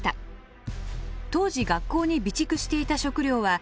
当時学校に備蓄していた食料は１，２００食。